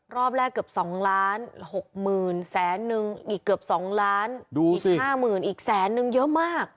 รอบแรกเกือบ๒ล้านหกหมื่นแสนนึงอีกเกือบ๒ล้านดูสิห้าหมื่นอีกแสนนึงเยอะมาก